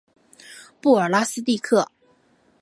布尔拉斯蒂克。